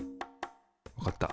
分かった。